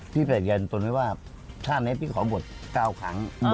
พี่แปลกยันตัวไม่ว่าถ้าไหนพี่ขอบวช๙ครั้ง